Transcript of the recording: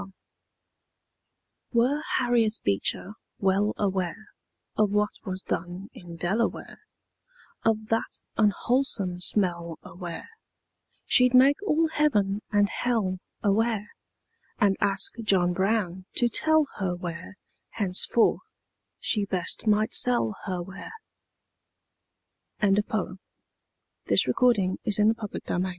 TABB Were Harriet Beecher well aware Of what was done in Delaware, Of that unwholesome smell aware, She'd make all heaven and hell aware, And ask John Brown to tell her where Henceforth she best might sell her ware. OUR BEST SOCIETY BY GEORGE WILLIAM CURTIS If gilt